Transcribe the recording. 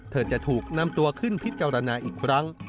เธอจะถูกนำตัวขึ้นพิจารณาอีกครั้ง